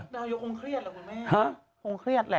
ตายแต่โอ๊คเครียดคุณแม่